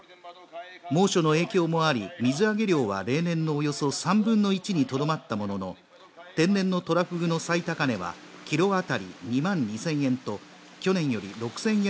猛暑の影響もあり、水揚げ量は例年のおよそ三分の一にとどまったものの、天然のトラフグの最高値はキロ当たり２万２０００円と、去年より６０００円